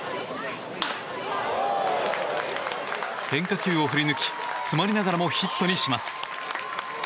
変化球を振りぬき詰まりながらもヒットにします。